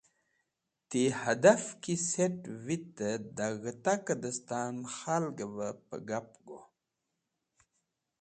Ti hadaf ki set̃ vitẽ da g̃hẽtakẽ destan khalgvẽ pẽgap go.